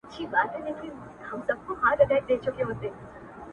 • له یوه ښاخه تر بله په هوا سو,